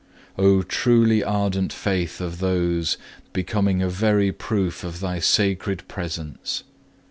2. O truly ardent faith of those, becoming a very proof of Thy Sacred Presence!